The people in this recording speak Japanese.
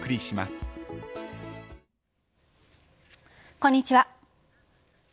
こんにちは。